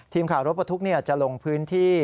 ทีมข่าวรถประทุกข์จะลงพื้นที่